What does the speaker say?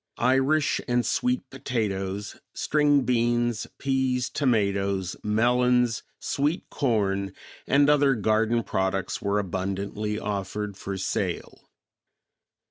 Irish and sweet potatoes, string beans, peas, tomatoes, melons, sweet corn, and other garden products were abundantly offered for sale.